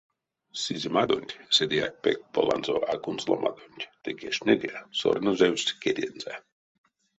Сиземадонть, седеяк пек поланзо акунсоломадонть ды кежтнеде, сорнозевсть кедензэ.